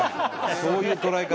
そういう捉え方。